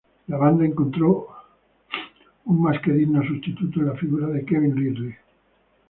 La banda encontró un más que digno sustituto en la figura de Kevin Ridley.